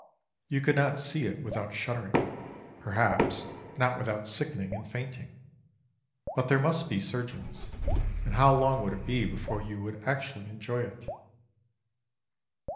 You could not see it without shuddering, perhaps not without sickening and fainting. But there must be surgeons, and how long would it be before you would actually enjoy it?